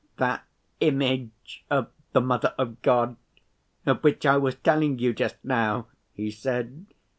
"That image of the Mother of God of which I was telling you just now," he said.